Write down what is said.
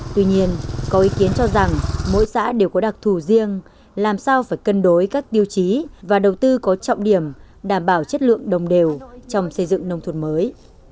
tuy nhiên có ý kiến cho rằng mỗi xã đều có đặc thù riêng làm sao phải cân đối các tiêu chí và đầu tư có trọng điểm đảm bảo chất lượng đồng đều trong xây dựng nông thuận mới